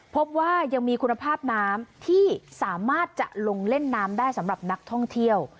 พบว่ายังมีคุณภาพน้ำที่สามารถจะลงเล่นน้ำได้สำหรับนักท่องเที่ยว